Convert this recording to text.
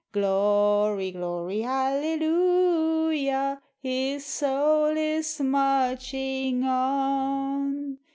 , Glory, glory, hallelujah I His soul is marching on.